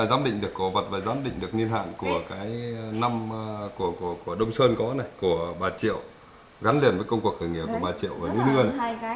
có giám định được cổ vật và giám định được niên hạn của cái năm của đông sơn có này của bà triệu gắn liền với công cuộc khởi nghĩa của bà triệu ở nguyên